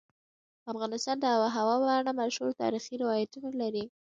افغانستان د آب وهوا په اړه مشهور تاریخی روایتونه لري.